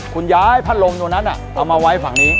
คุณย้ายพัดลมตรงนั้นเอามาไว้ฝั่งนี้